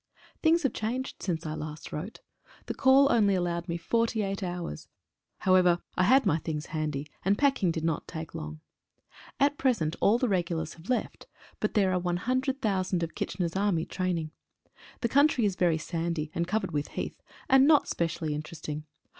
HINGS have changed since last I wrote. The call only allowed me 48 hours — however I had my things handy, and packing did not take long. At present all the regulars have left, but Lhei* are 100,000 of Kitchener's Army training. The country is very sandy, and covered with heath, and not specially interesting.